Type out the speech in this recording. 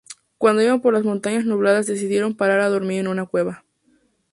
Cuando iban por las Montañas Nubladas decidieron parar a dormir en una cueva.